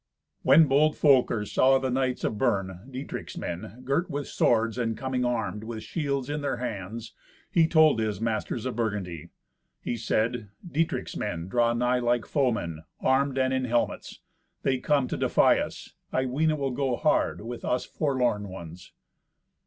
When bold Folker saw the knights of Bern, Dietrich's men, girt with swords, and coming armed, with shields in their hands, he told his masters of Burgundy. He said, "Dietrich's men draw nigh like foemen, armed, and in helmets. They come to defy us. I ween it will go hard with us forlorn ones."